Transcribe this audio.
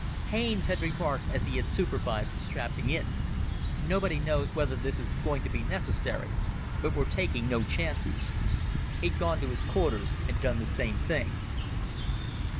Haines had remarked as he had supervised the strapping in, "Nobody knows whether this is going to be necessary. But we're taking no chances." He'd gone to his quarters and done the same thing.